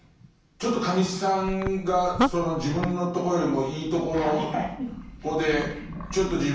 ちょっとカミさんが自分のとこよりもいいとこの子でちょっと自分は頭上がらないと。